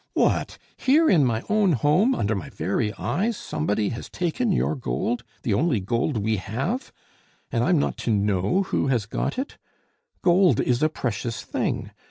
"What! here, in my own home, under my very eyes, somebody has taken your gold! the only gold we have! and I'm not to know who has got it! Gold is a precious thing.